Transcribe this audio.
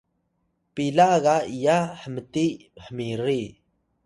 pila ga iya hmtiy hmiri